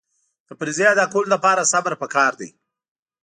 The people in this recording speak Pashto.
د فریضې ادا کولو لپاره صبر پکار دی.